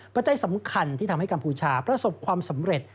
ปัจจัยสำคัญที่ทำให้กัมพูชาประสบความสำเร็จ